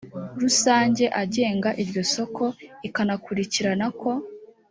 rusange agenga iryo soko ikanakurikirana ko